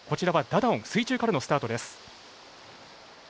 ダダオン水中からのスタートです。